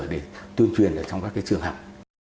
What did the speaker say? để tuyên truyền trong các trường học